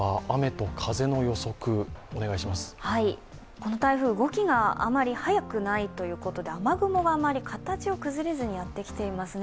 この台風、動きがあまり速くないということで雨雲があまり形を崩れずにやってきていますね。